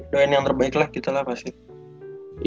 doain yang terbaik lah gitu lah pasti